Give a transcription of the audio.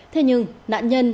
thế nhưng nạn nhân